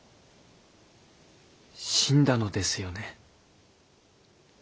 死んだのですよね。